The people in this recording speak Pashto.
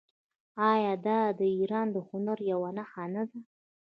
آیا دا د ایران د هنر یوه نښه نه ده؟